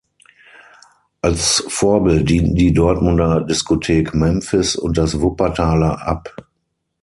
Als Vorbild dienten die Dortmunder Diskothek „Memphis“ und das Wuppertaler „Up“.